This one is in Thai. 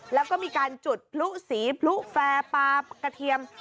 แล้วก็มีการจุดพลุสีพลุแฟร์ปลากระเทียม